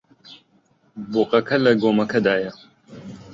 بۆقەکە لە گۆمەکەدایە.